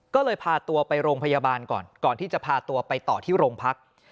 ก็เลยพาตัวไปโรงพยาบาลก่อนก่อนที่จะพาตัวไปต่อที่โรงพัก